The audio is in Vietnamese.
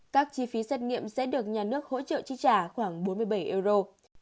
các chi phí xét nghiệm sẽ được nhà nước hỗ trợ chi trả khoảng bốn mươi bảy euro